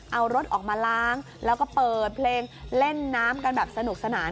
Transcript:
เอารถออกมาล้างแล้วก็เปิดเพลงเล่นน้ำกันแบบสนุกสนาน